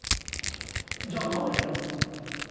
じゃあ何で嫌いになったんだ？